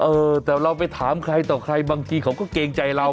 เออแต่เราไปถามใครต่อใครบางทีเขาก็เกรงใจเรา